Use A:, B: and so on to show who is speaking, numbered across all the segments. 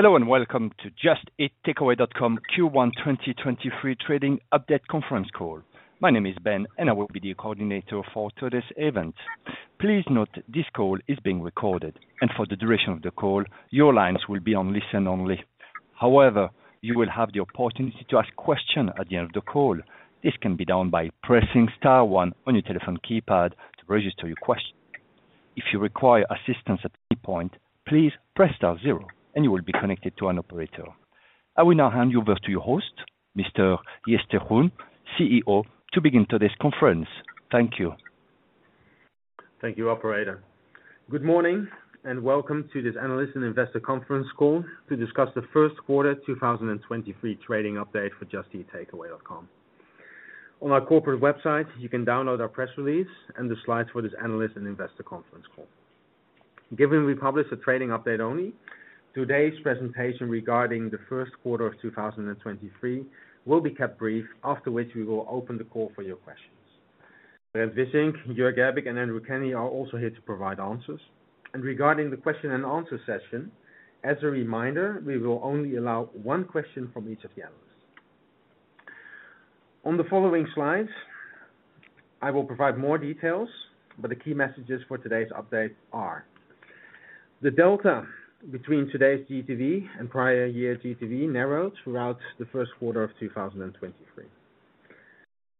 A: Hello, welcome to Just Eat Takeaway.com Q1 2023 trading update conference call. My name is Ben, I will be the coordinator for today's event. Please note this call is being recorded, for the duration of the call, your lines will be on listen-only. However, you will have the opportunity to ask questions at the end of the call. This can be done by pressing star one on your telephone keypad to register your question. If you require assistance at any point, please press star zero you will be connected to an operator. I will now hand you over to your host, Mr. Jitse Groen, CEO, to begin today's conference. Thank you.
B: Thank you, operator. Good morning, and welcome to this analyst and investor conference call to discuss the first quarter 2023 trading update for Just Eat Takeaway.com. On our corporate website, you can download our press release and the slides for this analyst and investor conference call. Given we publish a trading update only, today's presentation regarding the first quarter of 2023 will be kept brief, after which we will open the call for your questions. Brent Wissink, Jörg Gerbig, and Andrew Kenny are also here to provide answers. Regarding the question and answer session, as a reminder, we will only allow one question from each of the analysts. On the following slides, I will provide more details, but the key messages for today's update are the delta between today's GTV and prior year GTV narrowed throughout the first quarter of 2023.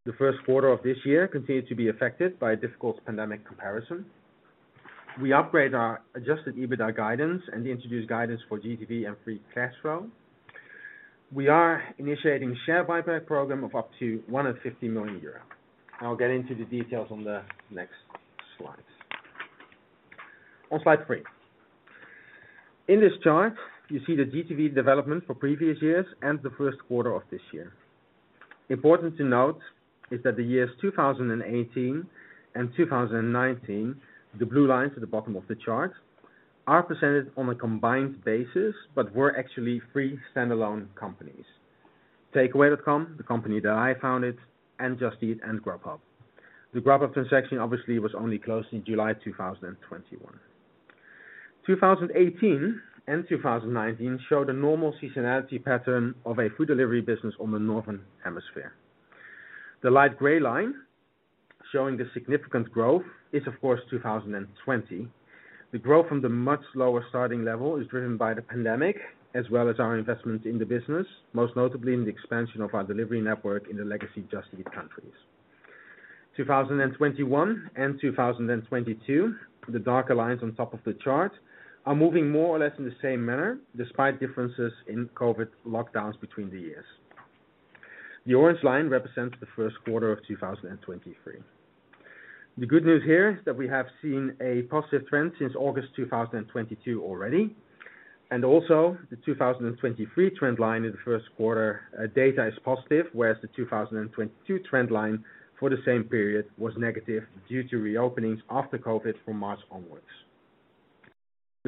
B: The first quarter of this year continued to be affected by a difficult pandemic comparison. We upgrade our adjusted EBITDA guidance and introduce guidance for GTV and free cash flow. We are initiating a share buyback program of up to 150 million euro. I'll get into the details on the next slides. On slide three. In this chart, you see the GTV development for previous years and the first quarter of this year. Important to note is that the years 2018 and 2019, the blue lines at the bottom of the chart, are presented on a combined basis, but were actually three standalone companies. Takeaway.com, the company that I founded, and Just Eat, and Grubhub. The Grubhub transaction obviously was only closed in July 2021. 2018 and 2019 showed a normal seasonality pattern of a food delivery business on the Northern Hemisphere. The light gray line showing the significant growth is of course 2020. The growth from the much lower starting level is driven by the pandemic as well as our investments in the business, most notably in the expansion of our delivery network in the legacy Just Eat countries. 2021 and 2022, the darker lines on top of the chart, are moving more or less in the same manner despite differences in COVID lockdowns between the years. The orange line represents the first quarter of 2023. The good news here is that we have seen a positive trend since August 2022 already. Also, the 2023 trend line in the first quarter data is positive, whereas the 2022 trend line for the same period was negative due to reopenings after COVID from March onwards.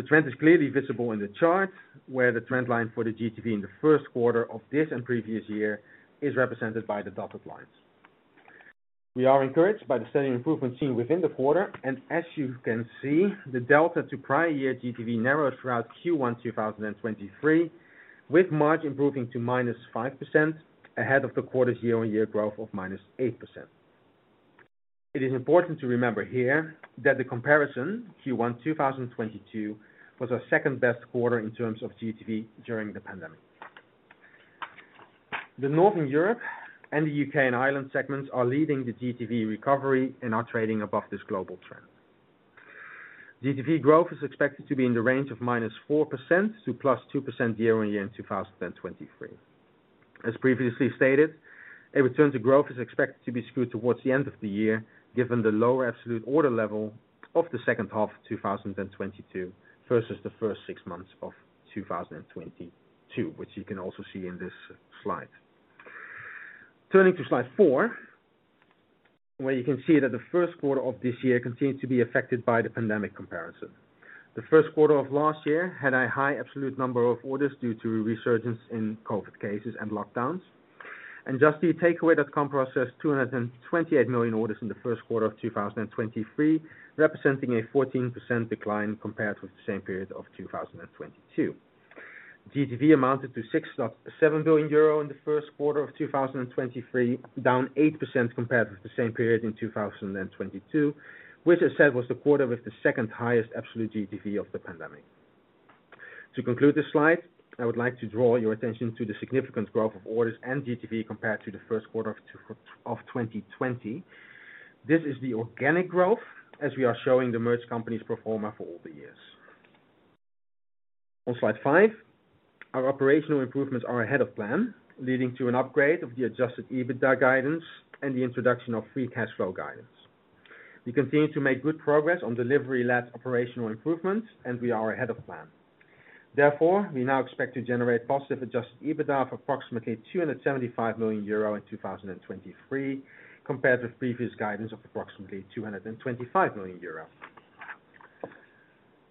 B: The trend is clearly visible in the chart where the trend line for the GTV in the first quarter of this and previous year is represented by the dotted lines. We are encouraged by the steady improvement seen within the quarter, and as you can see, the delta to prior year GTV narrowed throughout Q1 2023, with March improving to -5% ahead of the quarter year-on-year growth of -8%. It is important to remember here that the comparison Q1 2022 was our second-best quarter in terms of GTV during the pandemic. The Northern Europe and the UK and Ireland segments are leading the GTV recovery and are trading above this global trend. GTV growth is expected to be in the range of -4% to +2% year-on-year in 2023. As previously stated, a return to growth is expected to be skewed towards the end of the year, given the lower absolute order level of the second half 2022 versus the first six months of 2022, which you can also see in this slide. Turning to slide four, where you can see that the first quarter of this year continued to be affected by the pandemic comparison. The first quarter of last year had a high absolute number of orders due to a resurgence in COVID cases and lockdowns. Just Eat Takeaway.com processed 228 million orders in the first quarter of 2023, representing a 14% decline compared with the same period of 2022. GTV amounted to 6.7 billion euro in the first quarter of 2023, down 8% compared with the same period in 2022, which I said was the quarter with the second highest absolute GTV of the pandemic. To conclude this slide, I would like to draw your attention to the significant growth of orders and GTV compared to the first quarter of 2020. This is the organic growth, as we are showing the merged companies pro forma for all the years. On slide 5, our operational improvements are ahead of plan, leading to an upgrade of the adjusted EBITDA guidance and the introduction of free cash flow guidance. We continue to make good progress on delivery-led operational improvements, and we are ahead of plan. Therefore, we now expect to generate positive adjusted EBITDA of approximately 275 million euro in 2023, compared with previous guidance of approximately 225 million euro.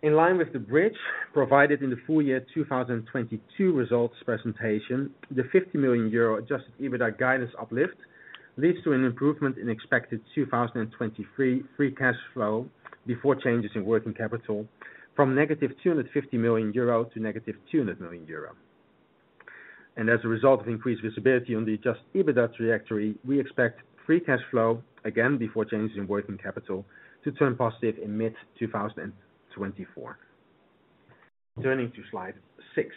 B: In line with the bridge provided in the full year 2022 results presentation, the 50 million euro adjusted EBITDA guidance uplift leads to an improvement in expected 2023 free cash flow before changes in working capital from negative 250 million euro to negative 200 million euro. As a result of increased visibility on the adjusted EBITDA trajectory, we expect free cash flow again before changes in working capital to turn positive in mid 2024. Turning to slide six.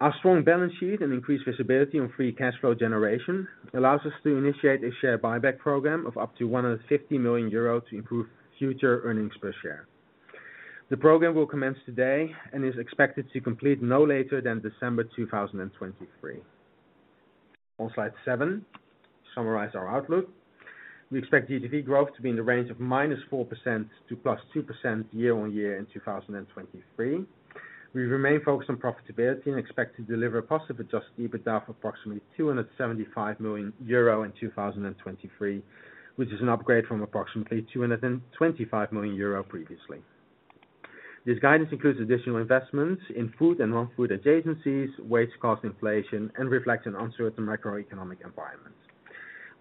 B: Our strong balance sheet and increased visibility on free cash flow generation allows us to initiate a share buyback program of up to 150 million euros to improve future earnings per share. The program will commence today and is expected to complete no later than December 2023. On slide seven, summarize our outlook. We expect GTV growth to be in the range of -4% to +2% year-on-year in 2023. We remain focused on profitability and expect to deliver positive adjusted EBITDA of approximately 275 million euro in 2023, which is an upgrade from approximately 225 million euro previously. This guidance includes additional investments in food and non-food adjacencies, wage cost inflation and reflects an uncertain macroeconomic environment.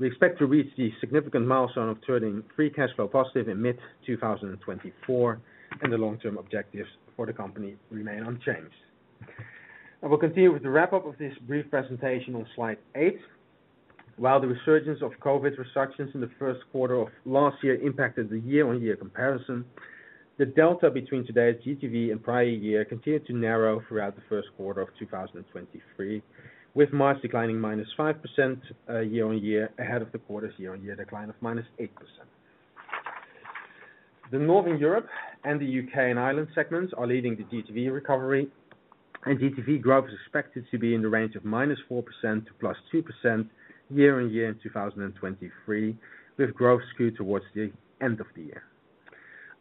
B: We expect to reach the significant milestone of turning free cash flow positive in mid-2024. The long term objectives for the company remain unchanged. I will continue with the wrap-up of this brief presentation on slide eight. While the resurgence of COVID restrictions in the first quarter of last year impacted the year-on-year comparison, the delta between today's GTV and prior year continued to narrow throughout the first quarter of 2023, with March declining -5% year-on-year, ahead of the quarter's year-on-year decline of -8%. The Northern Europe and the U.K. and Ireland segments are leading the GTV recovery, and GTV growth is expected to be in the range of -4% to +2% year-on-year in 2023, with growth skewed towards the end of the year.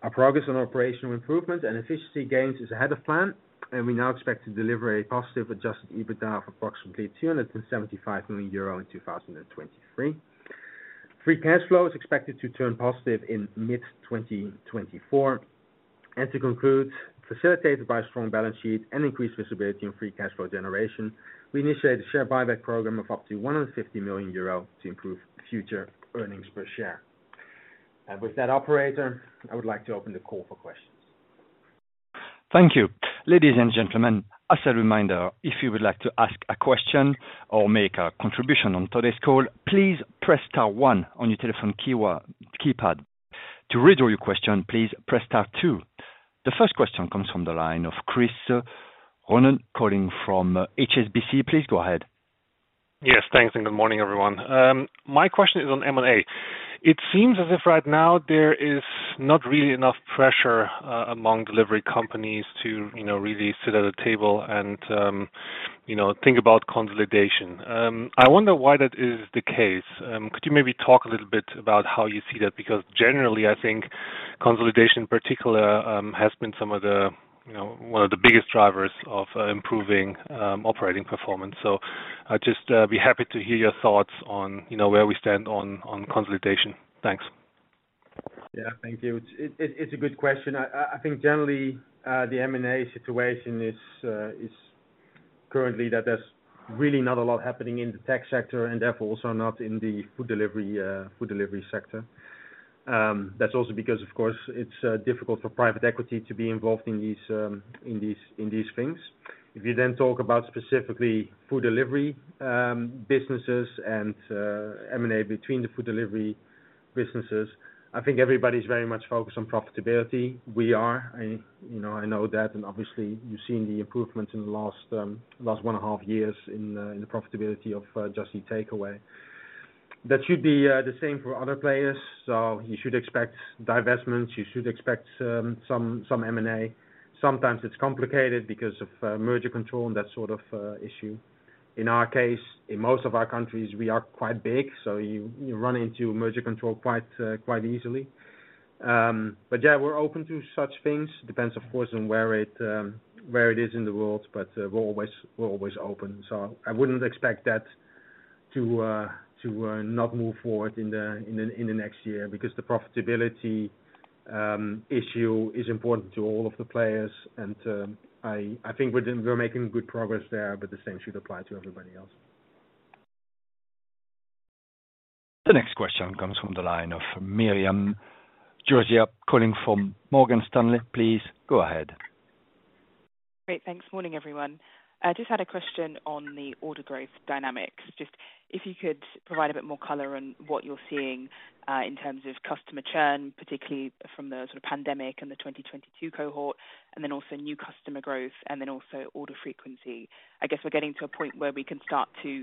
B: Our progress on operational improvement and efficiency gains is ahead of plan, and we now expect to deliver a positive adjusted EBITDA of approximately 275 million euro in 2023. Free cash flow is expected to turn positive in mid 2024. To conclude, facilitated by a strong balance sheet and increased visibility in free cash flow generation, we initiate a share buyback program of up to 150 million euro to improve future earnings per share. With that operator, I would like to open the call for questions.
A: Thank you. Ladies and gentlemen, as a reminder, if you would like to ask a question or make a contribution on today's call, please press star 1 on your telephone keypad. To withdraw your question, please press star 2. The first question comes from the line of Chris Ronald, calling from HSBC. Please go ahead.
C: Yes, thanks, and good morning, everyone. My question is on M&A. It seems as if right now there is not really enough pressure among delivery companies to, you know, really sit at a table and, you know, think about consolidation. I wonder why that is the case. Could you maybe talk a little bit about how you see that? Generally I think consolidation in particular has been some of the, you know, one of the biggest drivers of improving operating performance. I'd just be happy to hear your thoughts on, you know, where we stand on consolidation. Thanks.
B: Yeah. Thank you. It's a good question. I think generally, the M&A situation is currently that there's really not a lot happening in the tech sector and therefore also not in the food delivery sector. That's also because of course, it's difficult for private equity to be involved in these things. If you then talk about specifically food delivery businesses and M&A between the food delivery businesses, I think everybody's very much focused on profitability. We are. You know, I know that and obviously you've seen the improvements in the last 1.5 years in the profitability of Just Eat Takeaway. That should be the same for other players. You should expect divestments, you should expect some M&A. Sometimes it's complicated because of merger control and that sort of issue. In our case, in most of our countries, we are quite big, so you run into merger control quite easily. Yeah, we're open to such things. Depends of course, on where it is in the world. We're always open, so I wouldn't expect that to not move forward in the next year because the profitability issue is important to all of the players. I think we're making good progress there, but the same should apply to everybody else.
A: The next question comes from the line of Miriam Adisa, calling from Morgan Stanley. Please go ahead.
D: Great, thanks. Morning, everyone. I just had a question on the order growth dynamics. Just if you could provide a bit more color on what you're seeing, in terms of customer churn, particularly from the sort of pandemic and the 2022 cohort, and then also new customer growth and then also order frequency. I guess we're getting to a point where we can start to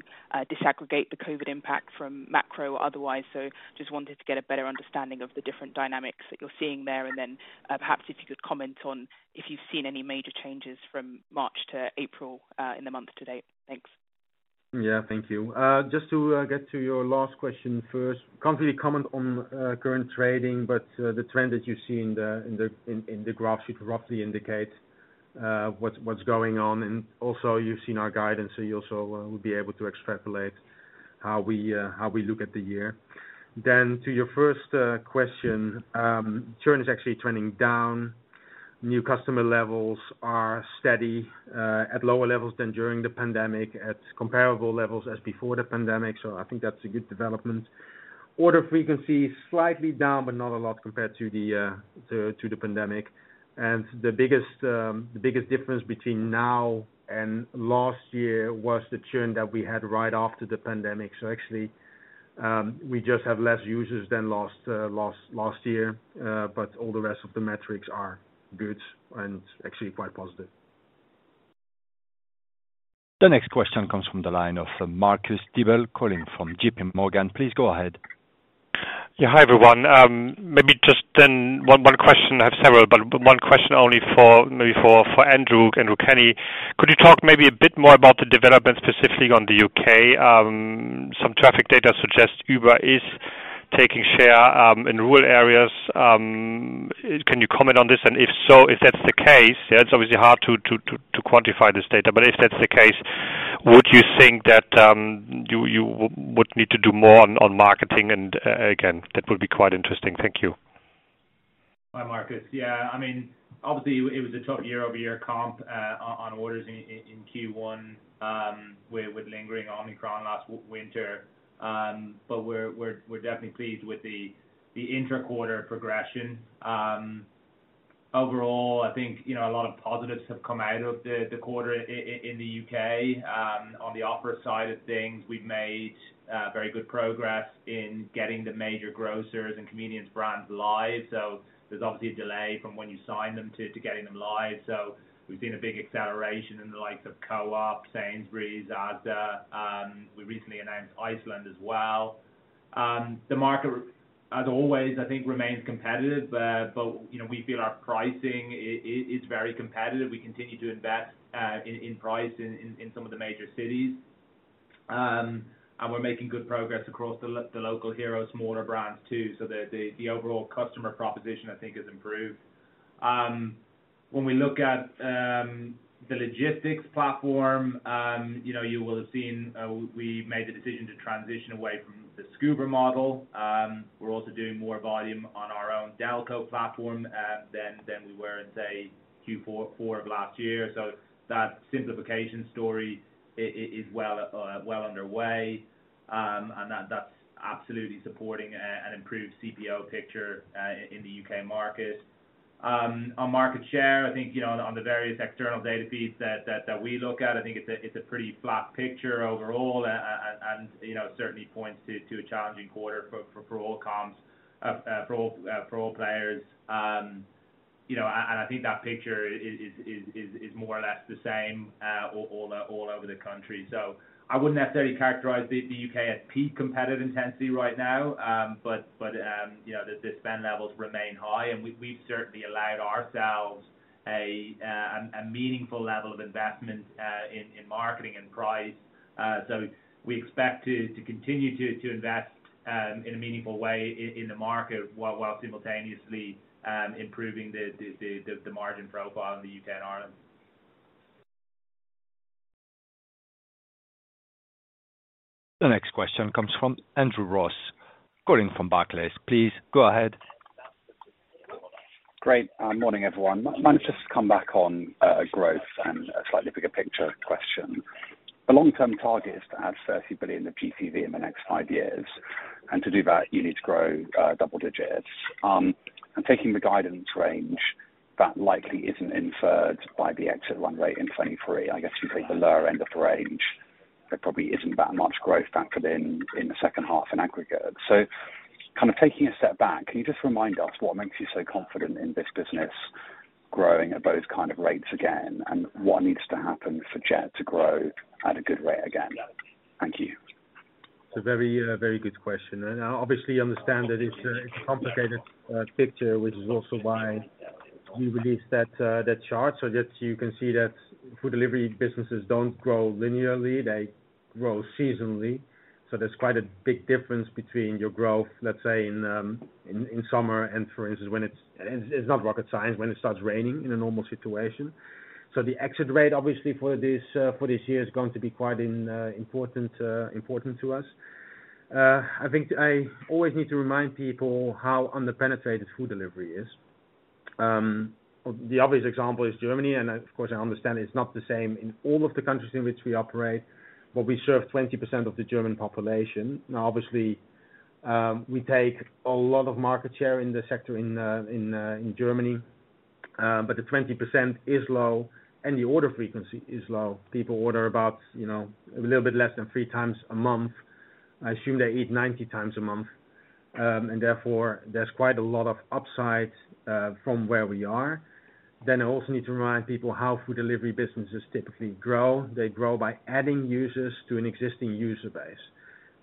D: disaggregate the COVID impact from macro otherwise. Just wanted to get a better understanding of the different dynamics that you're seeing there. Perhaps if you could comment on if you've seen any major changes from March to April, in the month to date. Thanks.
B: Yeah, thank you. Just to get to your last question first. Can't really comment on current trading, but the trend that you see in the graph should roughly indicate what's going on. Also you've seen our guidance, so you also will be able to extrapolate how we look at the year. To your first question, churn is actually trending down. New customer levels are steady, at lower levels than during the pandemic, at comparable levels as before the pandemic. I think that's a good development. Order frequency is slightly down, but not a lot compared to the pandemic. The biggest, the biggest difference between now and last year was the churn that we had right after the pandemic. Actually, we just have less users than last year. All the rest of the metrics are good and actually quite positive.
A: The next question comes from the line of Marcus Diebel, calling from JP Morgan. Please go ahead.
E: Yeah. Hi, everyone. Maybe just then one question. I have several, but one question only for maybe for Andrew Kenny. Could you talk maybe a bit more about the development specifically on the U.K.? Some traffic data suggests Uber is taking share in rural areas. Can you comment on this? If so, if that's the case, yeah, it's obviously hard to quantify this data, but if that's the case, would you think that you would need to do more on marketing? Again, that would be quite interesting. Thank you.
F: Hi, Marcus. I mean, obviously it was a tough year-over-year comp on orders in Q1 with lingering Omicron last winter. We're definitely pleased with the inter-quarter progression. Overall, I think, you know, a lot of positives have come out of the quarter in the U.K. On the opera side of things, we've made very good progress in getting the major grocers and convenience brands live. There's obviously a delay from when you sign them to getting them live. We've seen a big acceleration in the likes of Co-op, Sainsbury's, Asda. We recently announced Iceland as well. The market, as always, I think remains competitive, but, you know, we feel our pricing is very competitive. We continue to invest in price in some of the major cities. We're making good progress across the local heroes smaller brands too. The overall customer proposition, I think, has improved. When we look at the logistics platform, you know, you will have seen we made the decision to transition away from the Scoober model. We're also doing more volume on our own Delco platform than we were in, say, Q4 of last year. That simplification story is well underway. That's absolutely supporting an improved CPO picture in the U.K. market. On market share, I think, you know, on the various external data feeds that we look at, I think it's a pretty flat picture overall. You know, certainly points to a challenging quarter for all coms, for all players. You know, I think that picture is more or less the same all over the country. I wouldn't necessarily characterize the UK as peak competitive intensity right now. You know, the spend levels remain high, and we've certainly allowed ourselves a meaningful level of investment in marketing and price. We expect to continue to invest in a meaningful way in the market, while simultaneously improving the margin profile in the UK and Ireland.
A: The next question comes from Andrew Ross, calling from Barclays. Please go ahead.
G: Great. Morning, everyone. Might just come back on growth and a slightly bigger picture question. The long-term target is to add 30 billion of GTV in the next five years. To do that, you need to grow double digits. Taking the guidance range, that likely isn't inferred by the exit runway in 2023. I guess if you take the lower end of range, there probably isn't that much growth factored in the second half in aggregate. Kind of taking a step back, can you just remind us what makes you so confident in this business growing at those kind of rates again, and what needs to happen for JET to grow at a good rate again? Thank you.
B: It's a very, very good question. Obviously you understand that it's a, it's a complicated picture, which is also why we released that chart. Just you can see that food delivery businesses don't grow linearly, they grow seasonally. There's quite a big difference between your growth, let's say, in summer and, for instance, when it's not rocket science, when it starts raining in a normal situation. The exit rate, obviously, for this, for this year, is going to be quite important to us. I think I always need to remind people how under-penetrated food delivery is. The obvious example is Germany, and of course, I understand it's not the same in all of the countries in which we operate, but we serve 20% of the German population. Now, obviously, we take a lot of market share in the sector in Germany, but the 20% is low and the order frequency is low. People order about, you know, a little bit less than three times a month. I assume they eat 90 times a month, and therefore there's quite a lot of upside from where we are. I also need to remind people how food delivery businesses typically grow. They grow by adding users to an existing user base.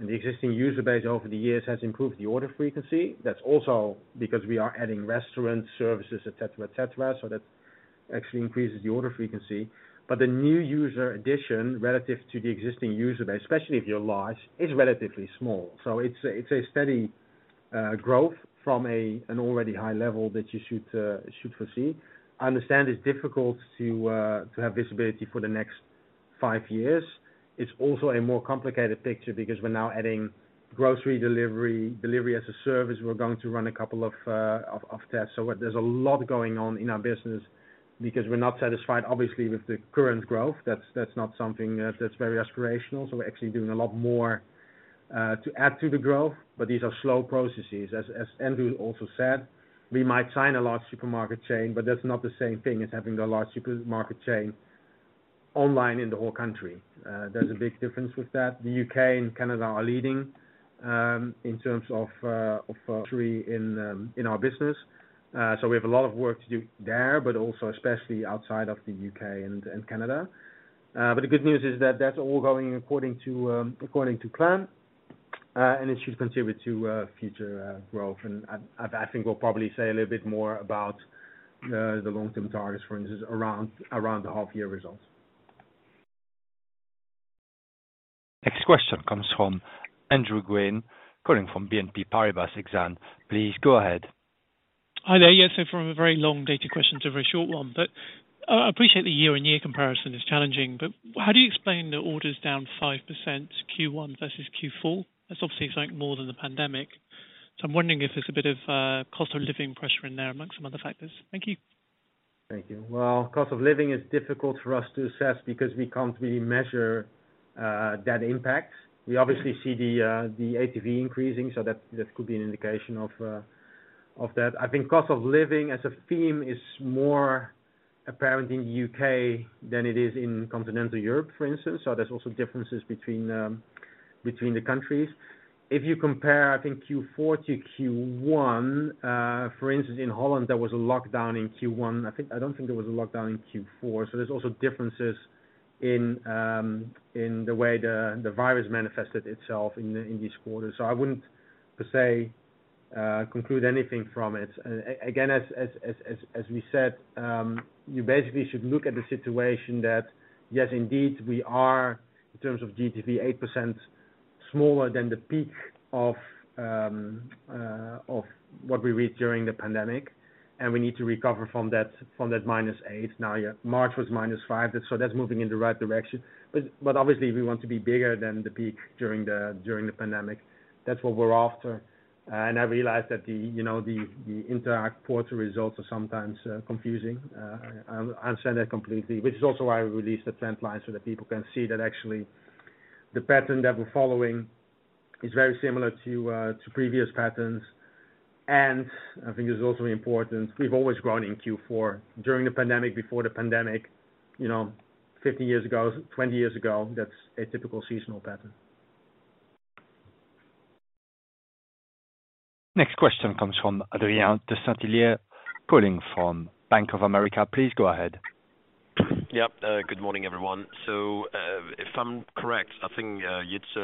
B: The existing user base over the years has improved the order frequency. That's also because we are adding restaurants, services, et cetera, et cetera. That actually increases the order frequency. The new user addition relative to the existing user base, especially if you're large, is relatively small.
F: It's a steady growth from an already high level that you should foresee. I understand it's difficult to have visibility for the next five years. It's also a more complicated picture because we're now adding grocery delivery as a service. We're going to run a couple of tests. There's a lot going on in our business because we're not satisfied, obviously, with the current growth. That's not something that's very aspirational. We're actually doing a lot more to add to the growth. These are slow processes. As Andrew also said, we might sign a large supermarket chain, but that's not the same thing as having the large supermarket chain online in the whole country. There's a big difference with that. The U.K. and Canada are leading in terms of GMV in our business. We have a lot of work to do there, but also especially outside of the U.K. and Canada.
B: The good news is that that's all going according to, according to plan, and it should contribute to future growth. I think we'll probably say a little bit more about the long term targets, for instance, around the half year results.
A: Next question comes from Andrew Gwynn, calling from BNP Paribas Exane. Please go ahead.
H: Hi there. Yes, from a very long data question to a very short one. I appreciate the year-on-year comparison is challenging, but how do you explain the orders down 5% Q1 versus Q4? That's obviously something more than the pandemic. I'm wondering if there's a bit of cost of living pressure in there amongst some other factors. Thank you.
B: Thank you. Well, cost of living is difficult for us to assess because we can't really measure that impact. We obviously see the ATV increasing, so that could be an indication of that. I think cost of living as a theme is more apparent in the UK than it is in continental Europe, for instance. There's also differences between the countries. If you compare, I think, Q4 to Q1, for instance, in Holland, there was a lockdown in Q1. I don't think there was a lockdown in Q4. There's also differences in the way the virus manifested itself in this quarter. I wouldn't per se conclude anything from it. Again, as we said, you basically should look at the situation that yes, indeed, we are, in terms of GTV, 8% smaller than the peak of what we reached during the pandemic, and we need to recover from that, from that -8. March was -5. That's moving in the right direction. Obviously we want to be bigger than the peak during the pandemic. That's what we're after. I realize that, you know, the interact quarter results are sometimes confusing. I understand that completely, which is also why we released the trend line, so that people can see that actually the pattern that we're following is very similar to previous patterns. I think this is also important, we've always grown in Q4 during the pandemic, before the pandemic, you know, 50 years ago, 20 years ago. That's a typical seasonal pattern.
A: Next question comes from Adrien de Saint Hilaire, calling from Bank of America. Please go ahead.
I: Yeah. Good morning, everyone. If I'm correct, I think, it's,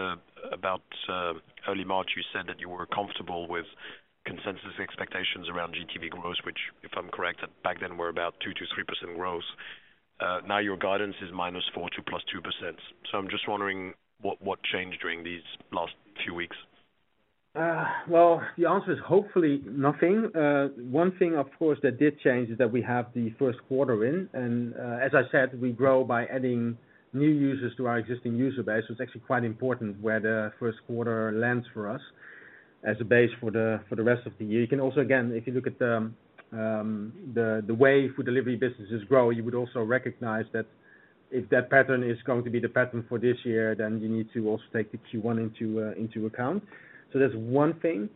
I: about, early March, you said that you were comfortable with consensus expectations around GTV growth, which, if I'm correct, back then were about 2%-3% growth. Your guidance is -4% to +2%. I'm just wondering what changed during these last few weeks?
B: Well, the answer is hopefully nothing. One thing, of course, that did change is that we have the first quarter in. As I said, we grow by adding new users to our existing user base. It's actually quite important where the first quarter lands for us as a base for the rest of the year. You can also, again, if you look at the way food delivery businesses grow, you would also recognize that if that pattern is going to be the pattern for this year, you need to also take the Q1 into account. That's one thing.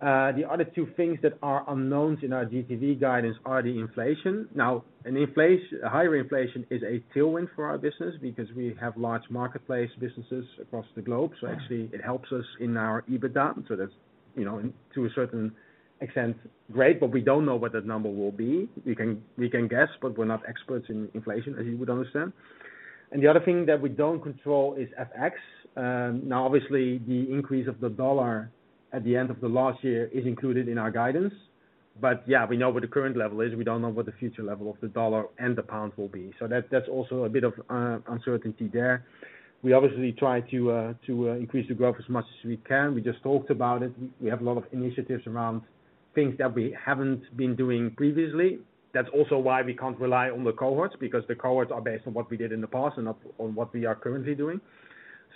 B: The other two things that are unknowns in our GTV guidance are the inflation. Now, a higher inflation is a tailwind for our business because we have large marketplace businesses across the globe. Actually it helps us in our EBITDA. That's, you know, to a certain extent, great, but we don't know what that number will be. We can guess, but we're not experts in inflation, as you would understand. The other thing that we don't control is FX. Now, obviously, the increase of the dollar at the end of the last year is included in our guidance. Yeah, we know what the current level is. We don't know what the future level of the dollar and the pound will be. That's also a bit of uncertainty there. We obviously try to increase the growth as much as we can. We just talked about it. We have a lot of initiatives around things that we haven't been doing previously. That's also why we can't rely on the cohorts, because the cohorts are based on what we did in the past and not on what we are currently doing.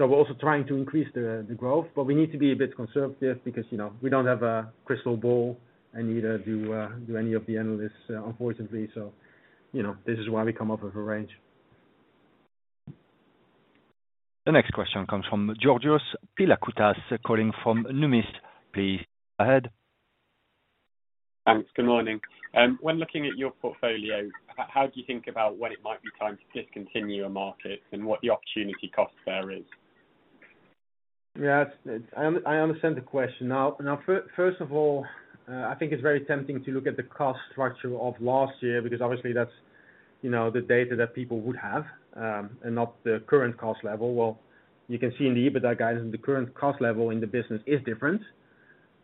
B: We're also trying to increase the growth, but we need to be a bit conservative because, you know, we don't have a crystal ball and neither do any of the analysts, unfortunately. You know, this is why we come up with a range.
A: The next question comes from Georgios Pilakoutas, calling from Numis. Please go ahead.
J: Thanks. Good morning. When looking at your portfolio, how do you think about when it might be time to discontinue a market and what the opportunity cost there is?
B: Yes, I understand the question. First of all, I think it's very tempting to look at the cost structure of last year, because obviously that's, you know, the data that people would have, and not the current cost level. You can see in the EBITDA guidance, the current cost level in the business is different.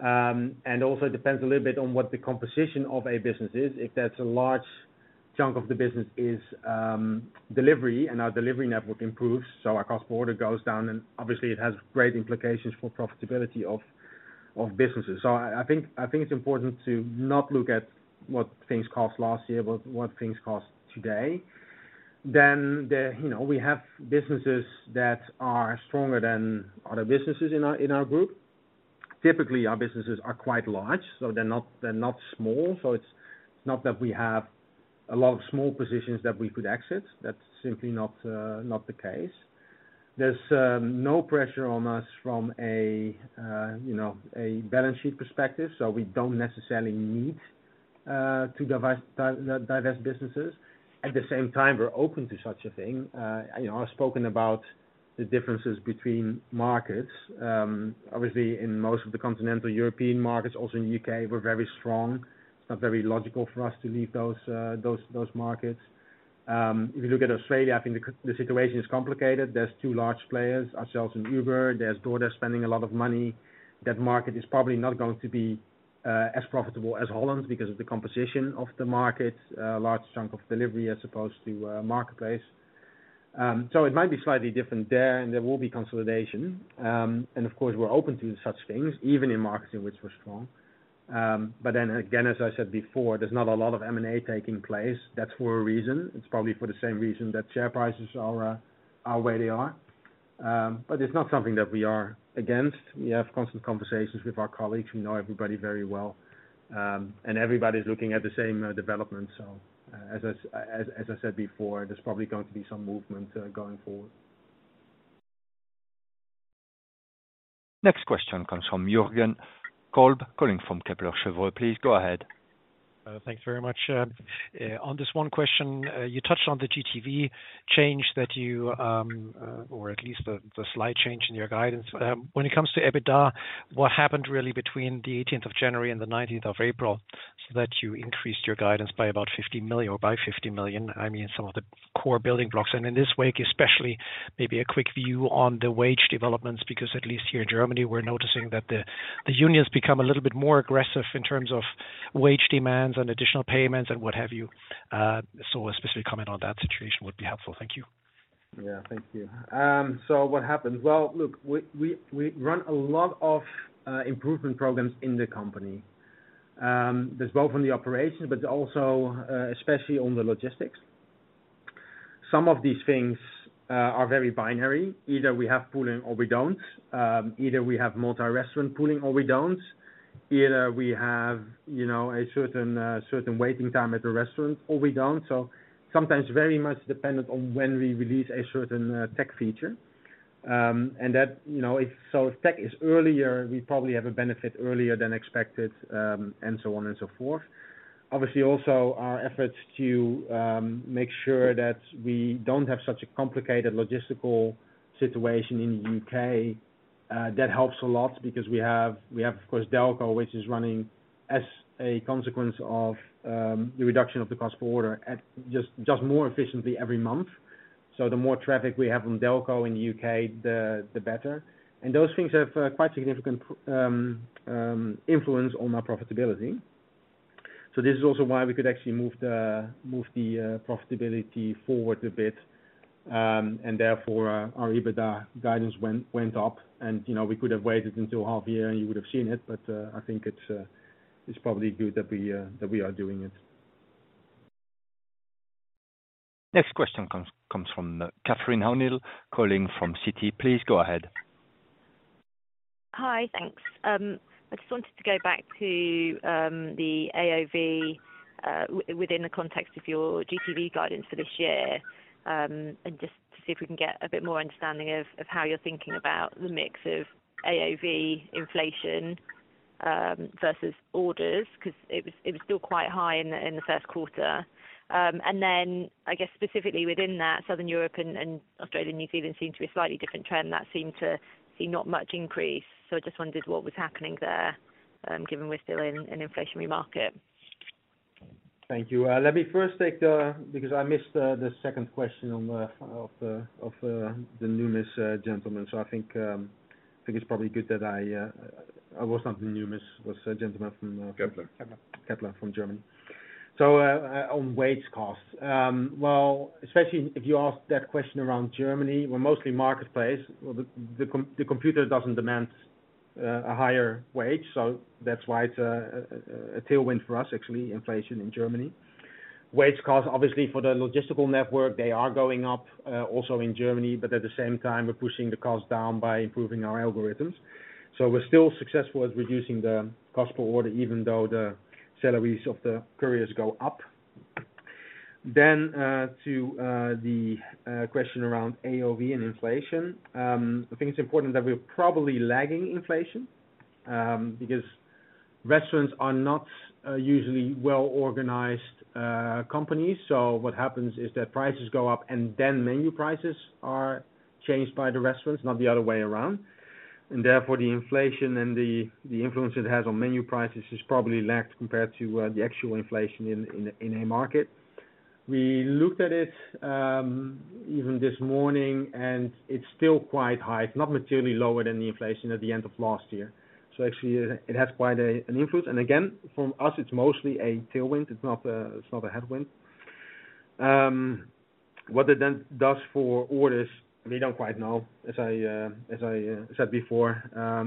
B: Also it depends a little bit on what the composition of a business is. If that's a large chunk of the business is delivery and our delivery network improves, so our cost border goes down, and obviously it has great implications for profitability of businesses. I think it's important to not look at what things cost last year, but what things cost today. The, you know, we have businesses that are stronger than other businesses in our group. Typically, our businesses are quite large, so they're not small. It's not that we have a lot of small positions that we could exit. That's simply not the case. There's no pressure on us from a, you know, a balance sheet perspective, so we don't necessarily need to divest businesses. At the same time, we're open to such a thing. You know, I've spoken about the differences between markets. Obviously in most of the continental European markets, also in U.K., we're very strong. It's not very logical for us to leave those markets. If you look at Australia, I think the situation is complicated. There's two large players, ourselves and Uber. There's DoorDash spending a lot of money. That market is probably not going to be as profitable as Holland because of the composition of the market, large chunk of delivery as opposed to marketplace. It might be slightly different there, and there will be consolidation. Of course, we're open to such things, even in markets in which we're strong. Then again, as I said before, there's not a lot of M&A taking place. That's for a reason. It's probably for the same reason that share prices are where they are. It's not something that we are against. We have constant conversations with our colleagues. We know everybody very well, and everybody's looking at the same development. As I said before, there's probably going to be some movement going forward.
A: Next question comes from Jürgen Kolb, calling from Kepler Cheuvreux. Please go ahead.
K: Thanks very much. On this one question, you touched on the GTV change that you, or at least the slight change in your guidance. When it comes to EBITDA, what happened really between the 18th of January and the 19th of April, so that you increased your guidance by about 50 million or by 50 million, I mean, some of the core building blocks. In this wake, especially maybe a quick view on the wage developments, because at least here in Germany, we're noticing that the unions become a little bit more aggressive in terms of wage demands and additional payments and what have you. A specific comment on that situation would be helpful. Thank you.
B: Yeah. Thank you. What happened? Well, look, we, we run a lot of improvement programs in the company. There's both on the operations, but also especially on the logistics. Some of these things are very binary. Either we have pooling or we don't. Either we have multi-restaurant pooling or we don't. Either we have, you know, a certain waiting time at the restaurant or we don't. Sometimes very much dependent on when we release a certain tech feature. That, you know, if tech is earlier, we probably have a benefit earlier than expected, and so on and so forth. Obviously, also our efforts to make sure that we don't have such a complicated logistical situation in the UK, that helps a lot because we have, of course, Delco, which is running as a consequence of the reduction of the cost per order at Just Eat more efficiently every month. The more traffic we have from Delco in the UK, the better. Those things have quite significant influence on our profitability. This is also why we could actually move the profitability forward a bit. Therefore our EBITDA guidance went up and, you know, we could have waited until half year and you would have seen it. I think it's probably good that we are doing it.
A: Next question comes from Catherine O'Neill, calling from Citi. Please go ahead.
L: Hi. Thanks. I just wanted to go back to the AOV within the context of your GTV guidance for this year. Just to see if we can get a bit more understanding of how you're thinking about the mix of AOV inflation versus orders, 'cause it was still quite high in the first quarter. Then, I guess specifically within that, Southern Europe and Australia and New Zealand seem to be a slightly different trend. That seemed to see not much increase. I just wondered what was happening there, given we're still in an inflationary market.
B: Thank you. Let me first take because I missed the second question on the Numis gentleman. I think it's probably good that I was not the Numis, was a gentleman from.
A: Kepler.
B: Kepler from Germany. On wage costs. Well, especially if you ask that question around Germany, we're mostly marketplace. Well, the computer doesn't demand a higher wage, so that's why it's a tailwind for us, actually, inflation in Germany. Wage costs, obviously, for the logistical network, they are going up also in Germany, but at the same time, we're pushing the cost down by improving our algorithms. We're still successful at reducing the cost per order, even though the salaries of the couriers go up. To the question around AOV and inflation. I think it's important that we're probably lagging inflation because restaurants are not usually well-organized companies. What happens is that prices go up and then menu prices are changed by the restaurants, not the other way around. Therefore, the inflation and the influence it has on menu prices is probably lacked compared to the actual inflation in a market. We looked at it even this morning, and it's still quite high. It's not materially lower than the inflation at the end of last year. Actually, it has quite an influence. Again, from us, it's mostly a tailwind. It's not a headwind. What it does for orders, we don't quite know. As I said before,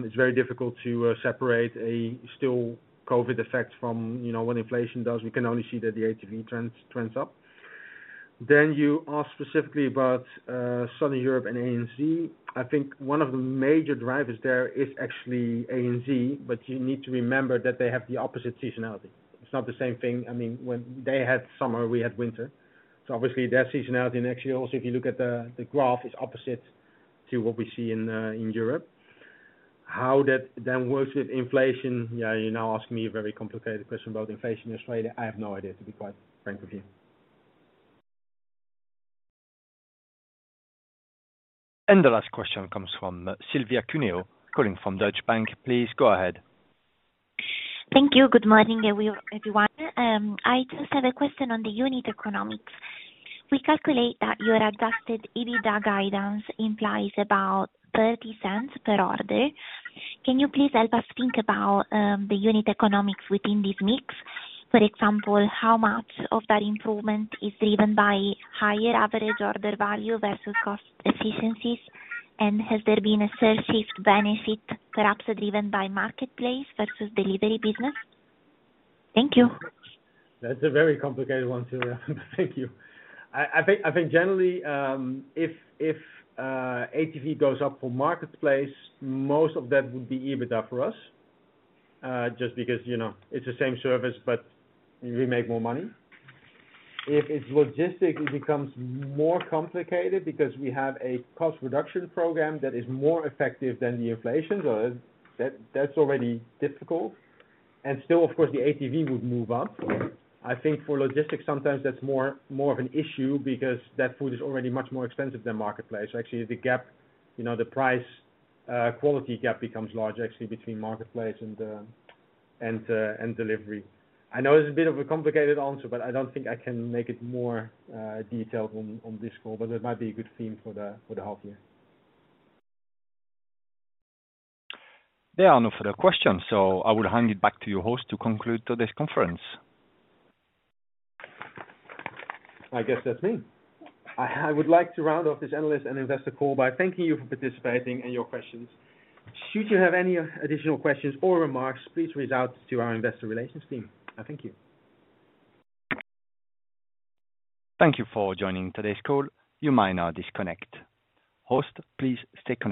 B: it's very difficult to separate a still COVID effect from, you know, what inflation does. We can only see that the ATV trends up. You ask specifically about Southern Europe and ANZ. I think one of the major drivers there is actually ANZ. You need to remember that they have the opposite seasonality. It's not the same thing. I mean, when they had summer, we had winter. Obviously that seasonality and actually also if you look at the graph, it's opposite to what we see in Europe. How that then works with inflation, yeah, you're now asking me a very complicated question about inflation in Australia. I have no idea, to be quite frank with you.
A: The last question comes from Silvia Cuneo, calling from Deutsche Bank. Please go ahead.
M: Thank you. Good morning, everyone. I just have a question on the unit economics. We calculate that your adjusted EBITDA guidance implies about 0.30 per order. Can you please help us think about the unit economics within this mix? For example, how much of that improvement is driven by higher average order value versus cost efficiencies? Has there been a sell shift benefit, perhaps driven by marketplace versus delivery business? Thank you.
F: That's a very complicated one, Silvia. Thank you. I think generally, if ATV goes up for marketplace, most of that would be EBITDA for us, just because, you know, it's the same service but we make more money. If it's logistics, it becomes more complicated because we have a cost reduction program that is more effective than the inflation, so that's already difficult and still of course the ATV would move up. I think for logistics sometimes that's more of an issue because that food is already much more expensive than marketplace. So actually the gap, you know, the price, quality gap becomes large actually between marketplace and delivery. I know this is a bit of a complicated answer, but I don't think I can make it more detailed on this call, but it might be a good theme for the half year.
A: There are no further questions. I will hand it back to your host to conclude today's conference.
F: I guess that's me. I would like to round off this analyst and investor call by thanking you for participating and your questions. Should you have any additional questions or remarks, please reach out to our investor relations team. Thank you.
A: Thank you for joining today's call. You may now disconnect. Host, please stay connected.